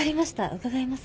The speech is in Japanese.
伺います。